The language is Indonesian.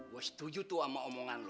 gua setuju tuh sama omongan lo